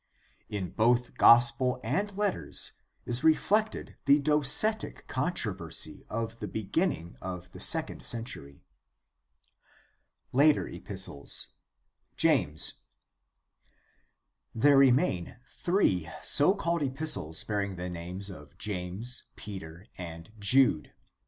In both Gospel and letters is reflected the docetic controversy of the beginning of the second century. Later epistles: James. — There remain three so called epistles bearing the names of James, Peter, and Jude.